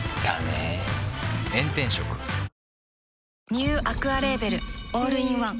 ニューアクアレーベルオールインワン